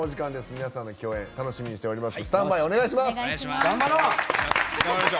皆さんの共演楽しみにしております。